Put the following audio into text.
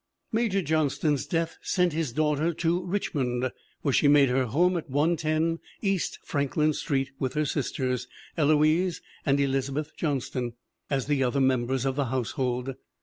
Major Johnston's death sent his daughter to Rich mond, where she made her home at 1 10 East Franklin street with her sisters, Eloise and Elizabeth Johnston, as the other members of the household.